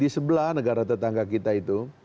setelah negara tetangga kita itu